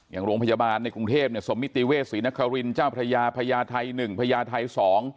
อย่างโรงพยาบาลในกรุงเทพสมมิติเวศรีนครินเจ้าพระยาพญาไทย๑พญาไทย๒